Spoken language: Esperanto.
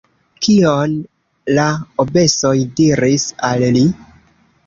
Kion la Obesoj diris al li?